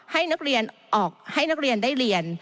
ให้นักเรียนได้เรียน